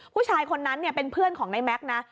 ผู้ชายคนนั้นเป็นเพื่อนของนายแม็กซ์นะ